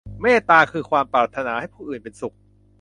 เมตตาคือความปรารถนาให้ผู้อื่นเป็นสุข